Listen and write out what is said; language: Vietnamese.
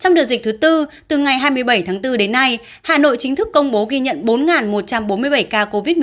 trong đợt dịch thứ tư từ ngày hai mươi bảy tháng bốn đến nay hà nội chính thức công bố ghi nhận bốn một trăm bốn mươi bảy ca covid một mươi chín